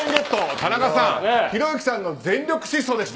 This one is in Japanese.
田中さん、ひろゆきさんの全力疾走でした。